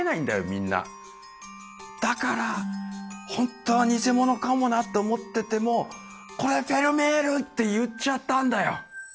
みんなだからホントは偽物かもなと思っててもこれはフェルメールって言っちゃったんだよ